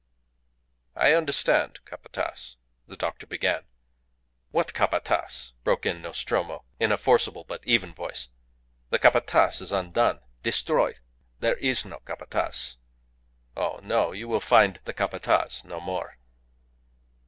"I understand, Capataz," the doctor began. "What Capataz?" broke in Nostromo, in a forcible but even voice. "The Capataz is undone, destroyed. There is no Capataz. Oh, no! You will find the Capataz no more."